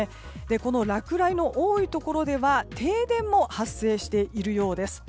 この落雷の多いところでは停電も発生しているようです。